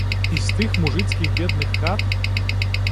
І з тых мужыцкіх бедных хат?